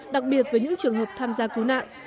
đặc biệt với những trường hợp tham gia cứu nạn